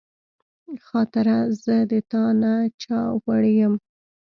خاطره زه د تا نه چاوړی یم